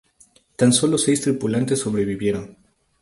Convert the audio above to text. Tan solo seis tripulantes sobrevivieron.